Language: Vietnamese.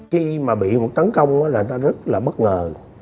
khi mà bị một tấn công là người ta rất là bất ngờ